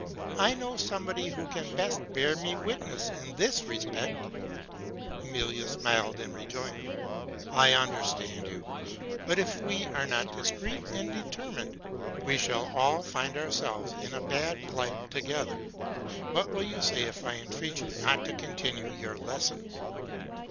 I know somebody who can best: bear me witness in this respect.'' Emilia smiled, and rejoined, '' I understand you; and, if we are not discreet and determined, we shall all find ourselves in a bad plight together. What will you say if I entreat you not to continue your lessons?